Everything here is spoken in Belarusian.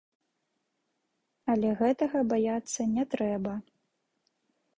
Але гэтага баяцца не трэба.